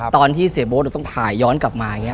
ตอนที่เศษโบสถ์ต้องถ่ายย้อนกลับมา